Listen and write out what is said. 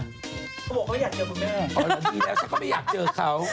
เขาบอกว่าอยากเจอผมเนี่ยอ๋อแล้วดีแล้วแต่เขาไม่อยากเจอเขา